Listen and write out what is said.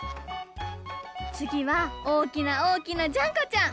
つぎはおおきなおおきなジャンコちゃん！